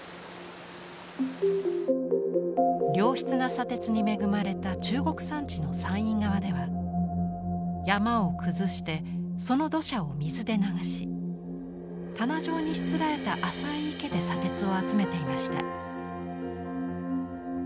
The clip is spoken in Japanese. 良質な砂鉄に恵まれた中国山地の山陰側では山を崩してその土砂を水で流し棚状にしつらえた浅い池で砂鉄を集めていました。